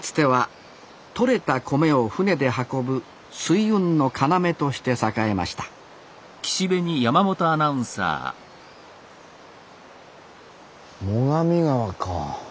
つては取れた米を舟で運ぶ水運の要として栄えました最上川か。